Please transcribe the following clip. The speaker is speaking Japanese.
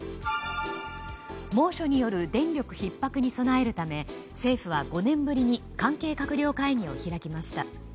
猛暑による電力ひっ迫に備えるため政府は５年ぶりに関係閣僚会議を開きました。